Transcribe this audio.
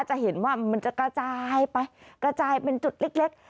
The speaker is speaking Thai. จะเห็นว่ามันจะกระจายไปกระจายเป็นจุดเล็ก